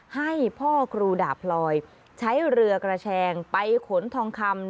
ให้พ่อครูดาบพลอยใช้เรือกระแชงไปขนทองคำ